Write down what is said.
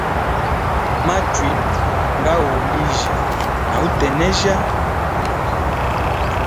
Machui nga u uhulijya na utenejya.